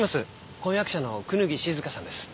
婚約者の椚静香さんです。